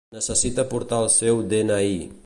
Necessita portar el seu de-ena-i.